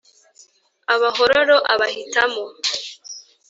Abahororo abahitamo